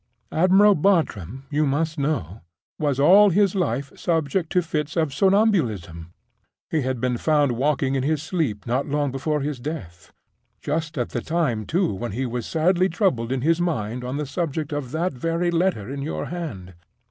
Admiral Bartram, you must know, was all his life subject to fits of somnambulism. He had been found walking in his sleep not long before his death—just at the time, too, when he was sadly troubled in his mind on the subject of that very letter in your hand.